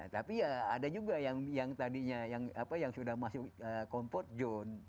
tapi ya ada juga yang tadinya yang sudah masuk comfort zone